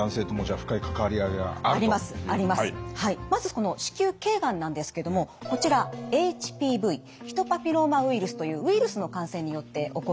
まずこの子宮頸がんなんですけどもこちらＨＰＶヒトパピローマウイルスというウイルスの感染によって起こるがんです。